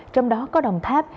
trong đó có đồng tháp